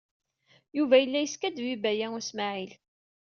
Yuba yella yeskaddeb i Baya U Smaɛil.